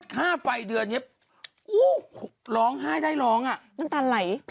ภาคไฟเดือนนี้ฮู้ร้องไห้ได้ร้องน้ำตาลไหลคลับขับ